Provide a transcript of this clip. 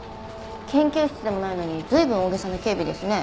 研究室でもないのに随分大げさな警備ですね。